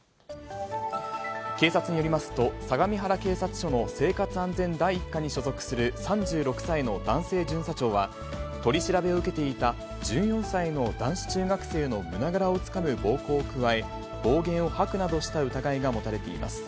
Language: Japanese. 警察によりますと、相模原警察署の生活安全第１課に所属する３６歳の男性巡査長は、取り調べを受けていた１４歳の男子中学生の胸倉をつかむ暴行を加え、暴言を吐くなどした疑いが持たれています。